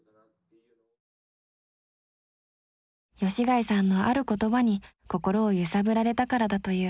吉開さんのある言葉に心を揺さぶられたからだという。